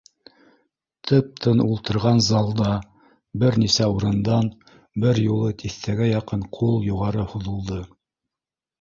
Тып-тын ултырған залда бер нисә урындан бер юлы тиҫтәгә яҡын ҡул юғары һуҙылды